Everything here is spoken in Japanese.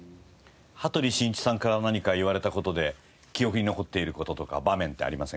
羽鳥慎一さんから何か言われた事で記憶に残っている事とか場面ってありませんか？